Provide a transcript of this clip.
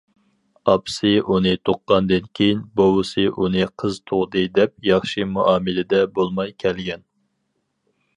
ئاپىسى ئۇنى تۇغقاندىن كېيىن، بوۋىسى ئۇنى قىز تۇغدى دەپ ياخشى مۇئامىلىدە بولماي كەلگەن.